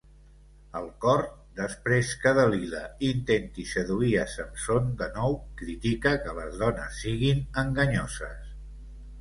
El Cor, després que Delila intenti seduir a Samson de nou, critica que les dones siguin enganyoses.